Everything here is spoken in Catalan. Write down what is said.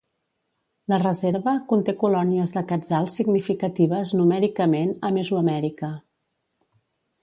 La reserva conté colònies de quetzals significatives numèricament a Mesoamèrica.